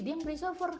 dia yang beli server